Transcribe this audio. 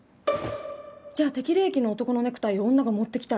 じゃあ適齢期の男のネクタイを女が持ってきたら？